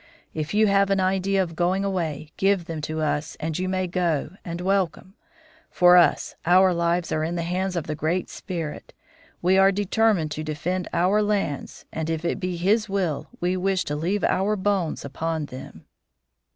If you have an idea of going away, give them to us and you may go and welcome. For us, our lives are in the hands of the Great Spirit. We are determined to defend our lands, and if it be His will, we wish to leave our bones upon them."